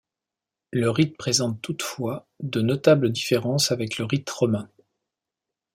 Le rite présente toutefois de notables différences avec le rite romain.